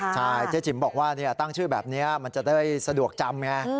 ใช่เจ๊จิ๋มบอกว่าตั้งชื่อแบบนี้มันจะได้สะดวกจำไง